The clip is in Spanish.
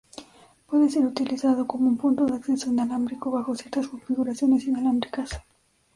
Puede ser utilizado como un punto de acceso inalámbrico bajo ciertas configuraciones inalámbricas.